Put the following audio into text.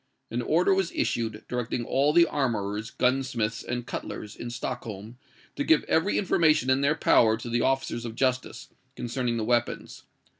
An order was issued, directing all the armourers, gunsmiths, and cutlers, in Stockholm, to give every information in their power to the officers of justice, concerning the weapons.